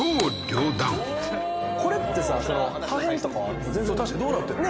これってさその破片とかは確かにどうなってるの？